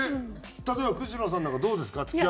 例えば久代さんなんかどうですか？